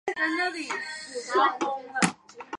高师大附中的制服有高中部和国中部两种。